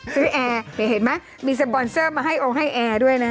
ซึ่งแอร์เห็นไหมมีสปอนเซอร์มาโอ้งให้แอร์ด้วยนะ